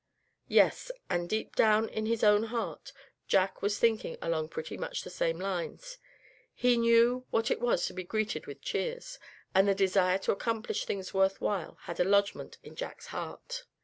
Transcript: Yes, and deep down in his own heart Jack was thinking along pretty much the same lines. He knew what it was to be greeted with cheers; and the desire to accomplish things worth while had a lodgment in Jack's heart.